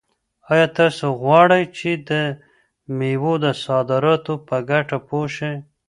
آیا تاسو غواړئ چې د مېوو د صادراتو په ګټه پوه شئ؟